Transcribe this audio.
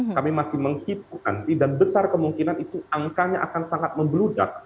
kami masih menghitung andi dan besar kemungkinan itu angkanya akan sangat membeludak